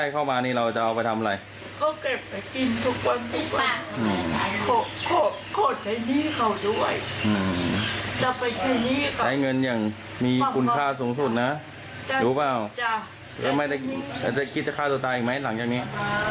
คุณสั่งจากนี้